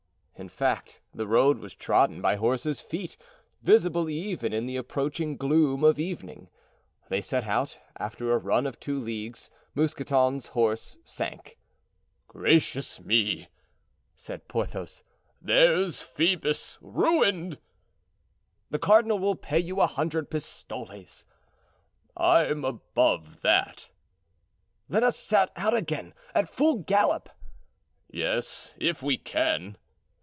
In fact, the road was trodden by horses' feet, visible even in the approaching gloom of evening. They set out; after a run of two leagues, Mousqueton's horse sank. "Gracious me!" said Porthos, "there's Phoebus ruined." "The cardinal will pay you a hundred pistoles." "I'm above that." "Let us set out again, at full gallop." "Yes, if we can."